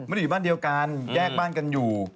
อยู่บ้านเดียวกันแยกบ้านกันอยู่